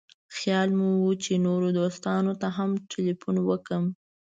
خیال مې و چې نورو دوستانو ته هم تیلفون وکړم.